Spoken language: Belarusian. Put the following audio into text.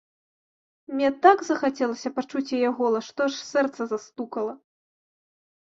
Мне так захацелася пачуць яе голас, што аж сэрца застукала.